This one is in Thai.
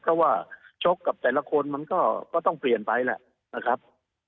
คุยกันทุกคนก็ไม่กังวลนะครับ